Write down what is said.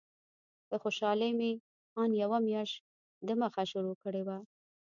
له خوشالۍ مې ان یوه میاشت دمخه شروع کړې وه.